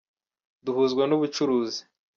duhuzwa n'ubucuruzi.